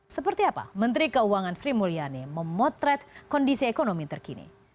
seperti apa menteri keuangan sri mulyani memotret kondisi ekonomi terkini